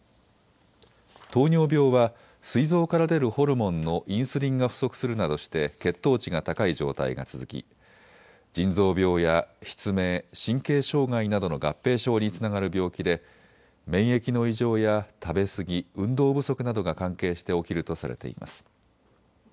糖尿病は、すい臓から出るホルモンのインスリンが不足するなどして血糖値が高い状態が続き腎臓病や失明、神経障害などの合併症につながる病気で免疫の異常や食べ過ぎ、運動不足などが関係して起きるとされています。